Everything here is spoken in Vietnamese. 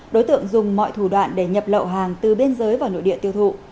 đối tượng dùng mọi thủ đoạn để nhập lậu hàng từ biên giới vào nội địa tiêu thụ